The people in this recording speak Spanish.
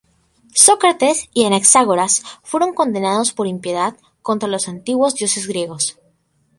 Sócrates y Anaxágoras fueron condenados por impiedad contra los antiguos dioses griegos.